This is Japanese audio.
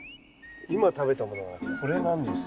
今食べたものはこれなんですよ。